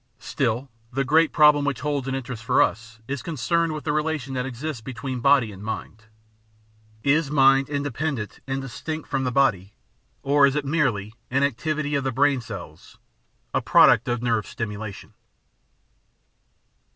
Still, the great problem which holds an interest for us is concerned with the relation that exists between mind and body. Is mind in dependent and distinct from the body, or is it merely "an activity of the brain cells, a product of nerve stimulation"?